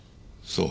そう。